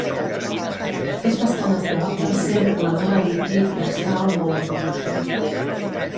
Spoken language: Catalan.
És bastant a prop del cercle megalític de Stall Moor.